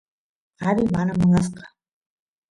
kari mana munanqa